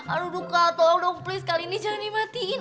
aduh duka tolong dong please kali ini jangan dimatiin